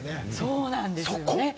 そうなんですよね。